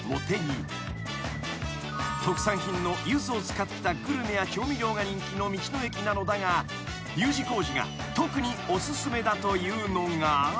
［特産品のゆずを使ったグルメや調味料が人気の道の駅なのだがＵ字工事が特にお薦めだというのが］